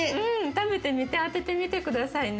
食べてみて当ててみて下さいね。